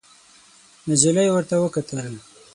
نجلۍ ورته وکتل.